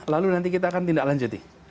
lalu nanti kita akan tindak lanjuti